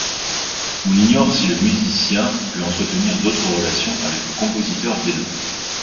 On ignore si le musicien pu entretenir d'autres relations avec le compositeur viennois.